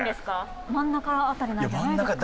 真ん中辺りなんじゃないですか？